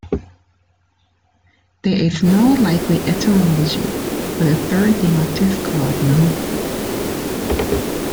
There is no likely etymology for the third name of this god, Maju.